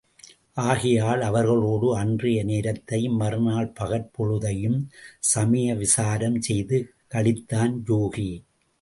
ஆகையால் அவர்களோடு அன்றைய நேரத்தையும் மறுநாள் பகற் பொழுதையும் சமய விசாரம் செய்து கழித்தான் யூகி.